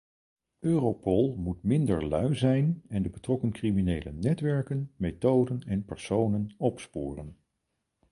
Europol moet minder lui zijn en de betrokken criminele netwerken, methoden en personen opsporen.